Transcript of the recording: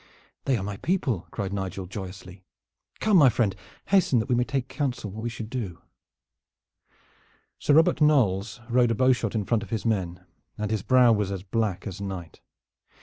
"They are my people," cried Nigel joyously. "Come, my friend, hasten, that we may take counsel what we shall do." Sir Robert Knolles rode a bowshot in front of his men, and his brow was as black as night.